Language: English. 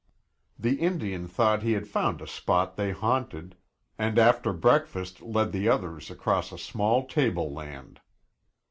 The Indian thought he had found a spot they haunted, and after breakfast led the others across a small tableland.